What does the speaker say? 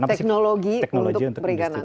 teknologi untuk perikanan